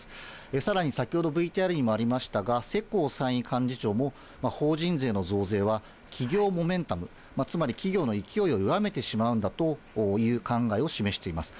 さらに先ほど、ＶＴＲにもありましたが、世耕参院幹事長も、法人税の増税は、企業モメンタム、つまり企業の勢いを弱めてしまうんだという考えを示しています。